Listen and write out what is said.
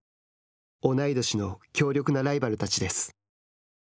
同い年の強力なライバルたちです。